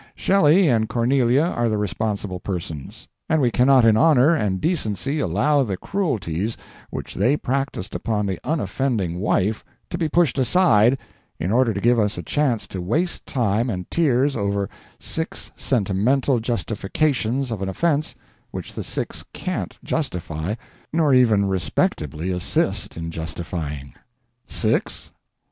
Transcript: Shelley and Cornelia are the responsible persons, and we cannot in honor and decency allow the cruelties which they practised upon the unoffending wife to be pushed aside in order to give us a chance to waste time and tears over six sentimental justifications of an offense which the six can't justify, nor even respectably assist in justifying. Six?